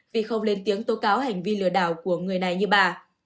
vì không lên tiếng tố cáo hành vi lừa đảo của người này như bà